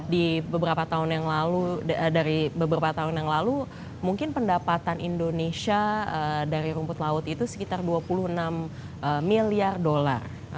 di beberapa tahun yang lalu dari beberapa tahun yang lalu mungkin pendapatan indonesia dari rumput laut itu sekitar dua puluh enam miliar dolar